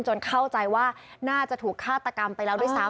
เข้าใจว่าน่าจะถูกฆาตกรรมไปแล้วด้วยซ้ำ